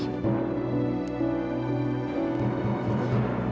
tidak tidak tidak tidak